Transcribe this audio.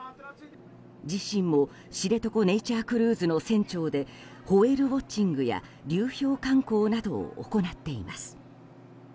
自身も知床ネイチャークルーズの船長でホエールウォッチングや流氷観光なども行っています。